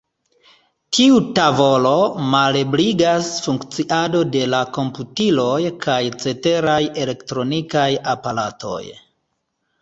Tiu tavolo malebligas funkciado de la komputiloj kaj ceteraj elektronikaj aparatoj.